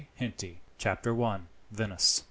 Henty. Chapter 1: Venice.